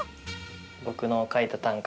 僕の書いた短歌